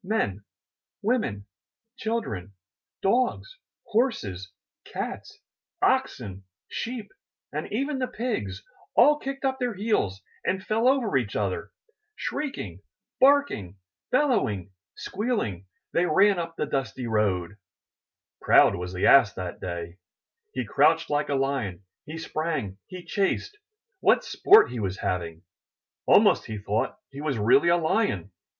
Men, women, children, dogs, horses, cats, oxen, sheep and even the pigs all kicked up their heels and fell over each other! Shrieking, barking, 245 MY BOOK HOUSE bellowing, squealing, they ran up the dusty road! Proud was the Ass that day. He crouched like a Lion, he sprang, he chased! What sport he was having! Almost he thought he was really a Lion.